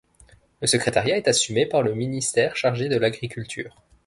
Le secrétariat est assumé par le ministère chargé de l’agriculture.